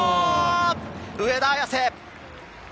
上田綺世。